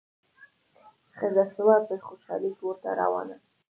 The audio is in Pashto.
ښځه سوه په خوشالي کورته روانه